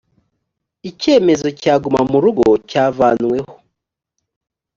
icyemezo cyagumamurugo cyavanweho.